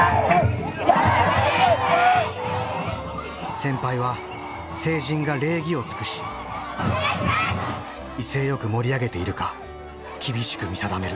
先輩は成人が礼儀を尽くし威勢よく盛り上げているか厳しく見定める。